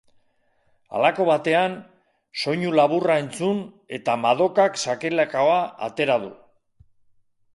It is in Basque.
Halako batean, soinu laburra entzun eta Madokak sakelakoa atera du.